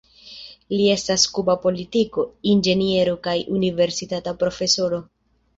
Li estas kuba politiko, inĝeniero kaj universitata profesoro.